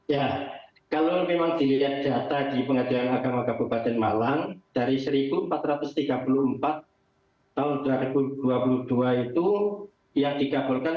ya kalau memang dilihat data di pengadilan agama kabupaten malang dari seribu empat ratus tiga puluh empat tahun seribu sembilan ratus dua puluh dua itu yang dikabulkan seribu tiga ratus sembilan puluh tiga